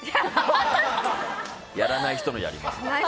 やらない人のやりますだ。